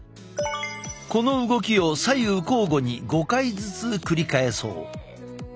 この動きを左右交互に５回ずつ繰り返そう。